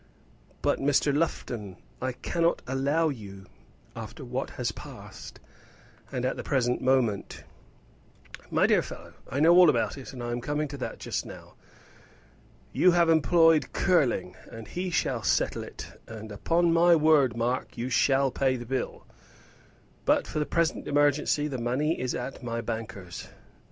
"But, Lufton, I cannot allow you after what has passed and at the present moment " "My dear fellow, I know all about it, and I am coming to that just now. You have employed Curling, and he shall settle it; and upon my word, Mark, you shall pay the bill. But, for the present emergency, the money is at my banker's."